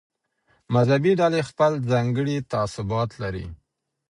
مذهبي ډلې خپل ځانګړي تعصبات لري.